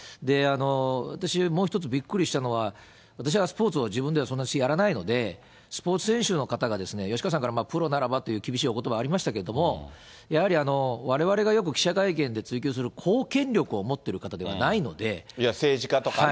私、もう一つびっくりしたのは、私はスポーツを、自分ではそんなにやらないので、スポーツ選手の方が、吉川さんから、プロならばっていう厳しいおことばありましたけれども、やはり、われわれがよく記者会見で追及する、公権力を持ってる方ではない政治家とかね。